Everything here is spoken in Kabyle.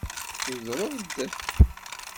Tudreḍ-d.